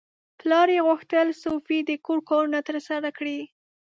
پلار یې غوښتل سوفي د کور کارونه ترسره کړي.